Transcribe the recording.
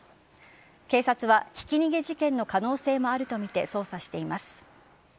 警察は、ひき逃げ事件の可能性もあるとみて捜査しています。